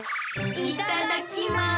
いただきます！